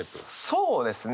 そうですね。